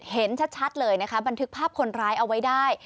เห็นชัดเลยนะคะบันทึกภาพคนร้ายเอาไว้ได้